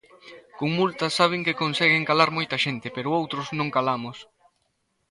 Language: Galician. Con multas saben que conseguen calar moita xente, pero outros non calamos.